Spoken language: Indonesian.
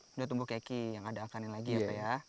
sudah tumbuh keki yang ada akan lagi ya pak ya